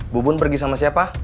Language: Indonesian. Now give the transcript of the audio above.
bu bun pergi sama siapa